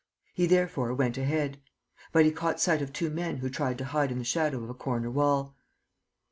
He therefore went ahead. But he caught sight of two men who tried to hide in the shadow of a corner wall.